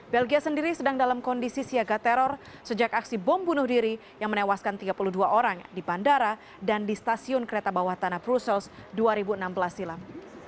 belgia sendiri sedang dalam kondisi siaga teror sejak aksi bom bunuh diri yang menewaskan tiga puluh dua orang di bandara dan di stasiun kereta bawah tanah brussels dua ribu enam belas silam